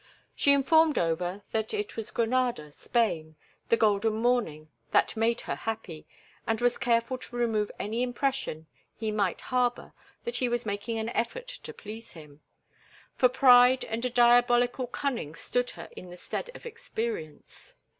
She informed Over that it was Granada, Spain, the golden morning, that made her happy, and was careful to remove any impression he might harbor that she was making an effort to please him; for pride and a diabolical cunning stood her in the stead of experience.